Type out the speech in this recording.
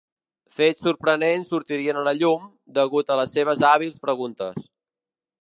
Fets sorprenents sortirien a la llum, degut a les seves hàbils preguntes.